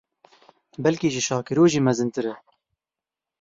Belkî ji Şakiro jî mezintir e.